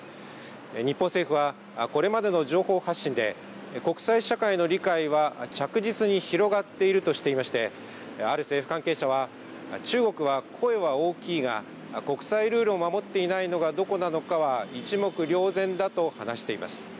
日本政府は、これまでの情報発信で、国際社会の理解は着実に広がっているとしていまして、ある政府関係者は、中国は声は大きいが、国際ルールを守っていないのがどこなのかは一目りょう然だと話しています。